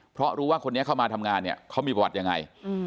เพราะรู้ว่าคนนี้เข้ามาทำงานเนี่ยเขามีประวัติยังไง